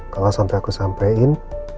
kalau sampai aku sampein